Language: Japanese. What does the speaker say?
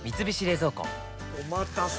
おまたせ！